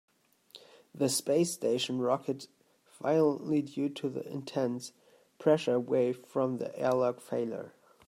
The space station rocked violently due to the intense pressure wave from the airlock failure.